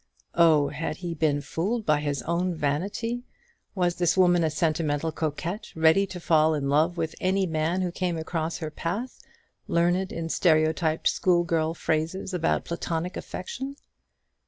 Oh, had he been fooled by his own vanity? was this woman a sentimental coquette, ready to fall in love with any man who came across her path, learned in stereotyped schoolgirl phrases about platonic affection?